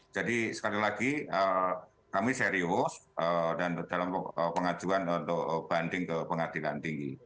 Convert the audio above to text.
jadi sekali lagi kami serius dalam pengajuan untuk banding ke pengadilan tinggi